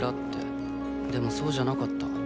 でもそうじゃなかった。